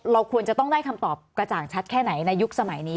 เราควรจะต้องได้คำตอบกระจ่างชัดแค่ไหนในยุคสมัยนี้